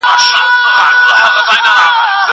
زه لاس نه پرېولم!